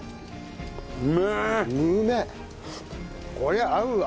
こりゃ合うわ。